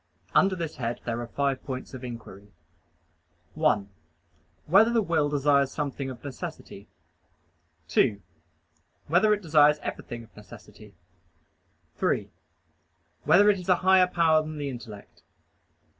Under this head there are five points of inquiry: (1) Whether the will desires something of necessity? (2) Whether it desires everything of necessity? (3) Whether it is a higher power than the intellect?